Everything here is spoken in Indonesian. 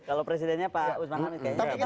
kalau presidennya pak usman hamid kayaknya